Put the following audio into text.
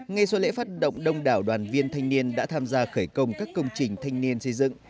ngay sau lễ phát động đông đảo đoàn viên thanh niên đã tham gia khởi công các công trình thanh niên xây dựng